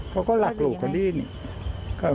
เขาก็รักลูกเขาดีนี่